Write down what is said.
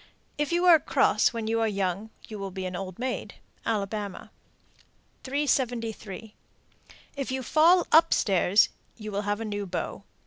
If you are cross when you are young, you will be an old maid. Alabama. 376. If you fall up stairs, you will have a new beau.